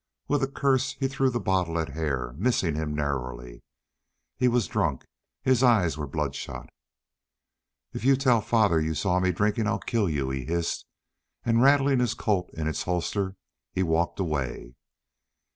With a curse he threw the bottle at Hare, missing him narrowly. He was drunk. His eyes were bloodshot. "If you tell father you saw me drinking I'll kill you!" he hissed, and rattling his Colt in its holster, he walked away.